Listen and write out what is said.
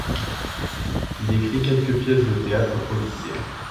Il écrit quelques pièces de théâtre policières.